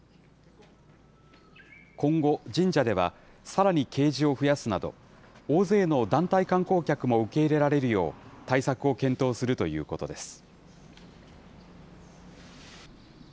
今後、神社ではさらに掲示を増やすなど、大勢の団体観光客も受け入れられるよう対策を検討するということです。